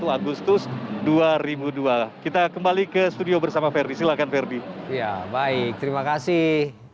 agustus dua ribu dua kita kembali ke studio bersama ferdi silahkan ferdi ya baik terima kasih